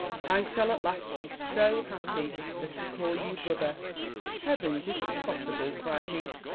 I shall at last be so happy as to call you brother.' 'Heavens! is it possible?' cried he.